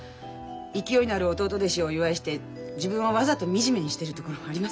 勢いのある弟弟子をお祝いして自分をわざと惨めにしてるところありません？